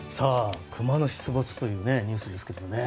熊の出没というニュースですけどもね。